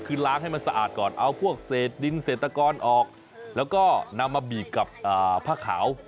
คือล้างให้มันสะอาดก่อนเอาพวกเศษดินเศรษฐกรออกแล้วก็นำมาบีบกับผ้าขาว